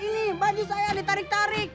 ini baju saya ditarik tarik